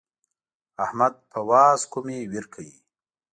احمد په واز کومې وير کوي.